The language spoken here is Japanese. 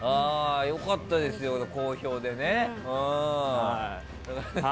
良かったですよ、好評でね。